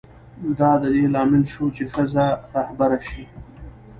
دا د دې لامل شو چې ښځه رهبره شي.